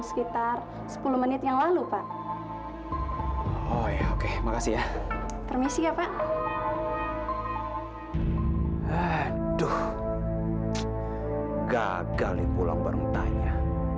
sampai jumpa di video selanjutnya